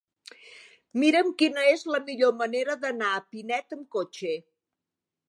Mira'm quina és la millor manera d'anar a Pinet amb cotxe.